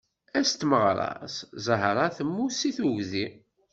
Ass n tmaɣra-s Zahra temmut seg tugdi.